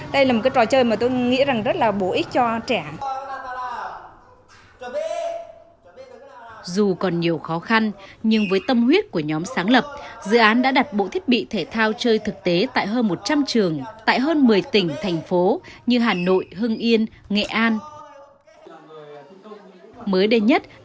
đây là một trò chơi mà tôi nghĩ rất là bổ ích cho trẻ